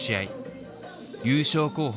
優勝候補